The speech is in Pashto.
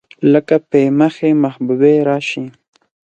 لکه پۍ مخې محبوبې راشي